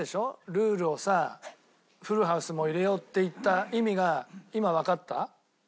ルールをさ「フルハウスも入れよう」って言った意味が今わかった？